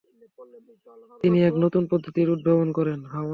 তিনি এক নতুন পদ্ধতির উদ্ভাবন করেন।